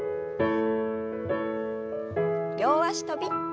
両脚跳び。